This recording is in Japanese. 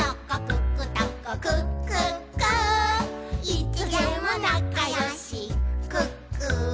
「いつでもなかよしクックー」